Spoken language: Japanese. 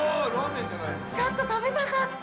ちょっと食べたかった。